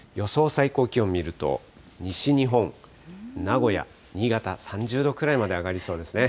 最高気温見ると、西日本、名古屋、新潟、３０度くらいまで上がりそうですね。